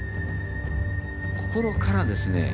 心からですね